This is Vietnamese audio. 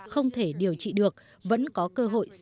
không thể bị bệnh